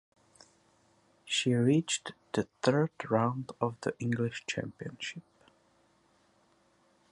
She reached the third round of the English championship.